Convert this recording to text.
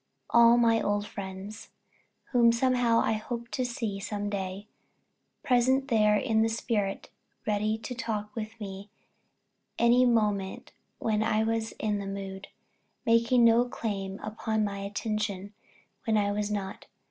All my old friends whom somehow I hoped to see some day present there in the spirit ready to talk with me any moment when I was in the mood, making no claim upon my attention when I was not!